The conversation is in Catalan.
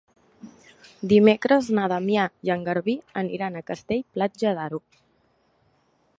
Dimecres na Damià i en Garbí aniran a Castell-Platja d'Aro.